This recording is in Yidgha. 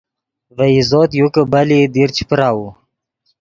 ڤے عزوت یو کہ بلئیت دیر چے پراؤو